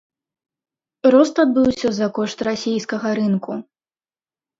Рост адбыўся за кошт расейскага рынку.